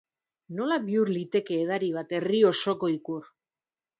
Nola bihur liteke edari bat herri osoko ikur?